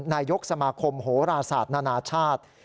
นายชกสมาคมโหราษาทนานาชาติ